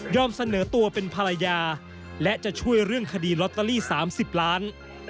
เสนอตัวเป็นภรรยาและจะช่วยเรื่องคดีลอตเตอรี่๓๐ล้าน